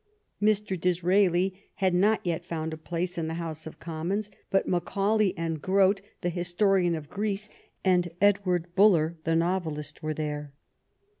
Mr. Dis raeli had not yet found a place in the House of Com mons. But Macaulay, and Grote, the historian of Greece, and Edward Bulwer, the novelist, were there.